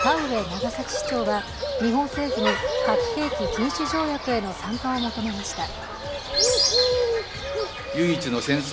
長崎市長は、日本政府に核兵器禁止条約への参加を求めました。